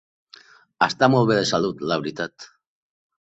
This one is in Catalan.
Està molt bé de salut, la veritat.